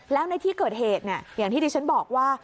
แล้วในที่เกิดเหตุอย่างที่ดิฉันบอกว่า